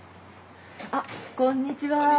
あこんにちは。